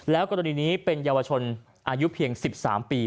แล้วก็ตอนนี้เป็นเยาวชนอายุเพียง๑๓ปี